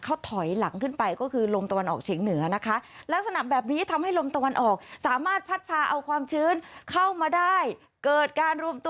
เข้าถอยหลังขึ้นไปก็คือลมตะวันออกเชียงเหนือนะคะ